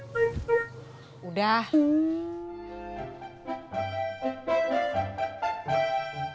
aku bilang dulu bangantara masih agak marah